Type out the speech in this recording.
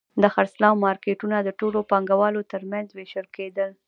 د خرڅلاو مارکېټونه د ټولو پانګوالو ترمنځ وېشل کېدل